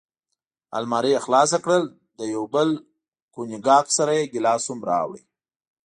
المارۍ یې خلاصه کړل، له یو بوتل کونیګاک سره یې ګیلاس هم راوړ.